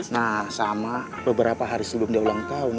nah sama beberapa hari sebelum dia ulang tahun